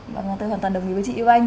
vâng tôi hoàn toàn đồng ý với chị yêu anh